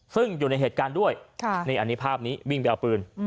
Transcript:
ซึ่งอยู่ในเหตุการณ์ด้วยนี่อันนี้ภาพนี้วิ่งไปเอาปืน